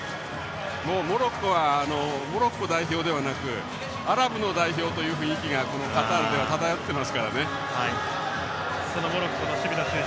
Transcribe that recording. モロッコはモロッコ代表ではなくアラブの代表とよくカタールでは言われてますから。